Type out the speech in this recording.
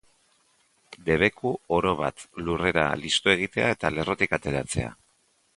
Debeku oro-bat lurrera listu egitea eta lerrotik ateratzea.